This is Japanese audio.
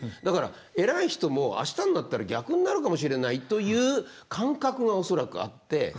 だから偉い人も明日になったら逆になるかもしれないという感覚が恐らくあって。